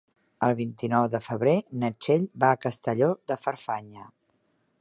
El vint-i-nou de febrer na Txell va a Castelló de Farfanya.